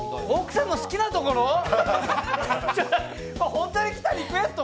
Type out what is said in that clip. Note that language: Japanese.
ホントに来たリクエスト！？